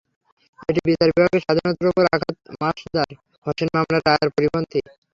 এটি বিচার বিভাগের স্বাধীনতার ওপর আঘাত, মাসদার হোসেন মামলার রায়ের পরিপন্থী।